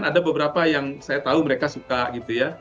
ada beberapa yang saya tahu mereka suka gitu ya